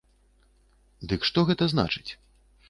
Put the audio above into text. Дык што гэта значыць?